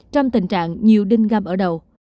trong tình trạng nhiều đinh gam ở đầu